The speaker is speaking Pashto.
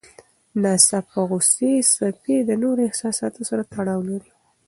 د ناڅاپه غوسې څپې د نورو احساساتو سره تړاو لري.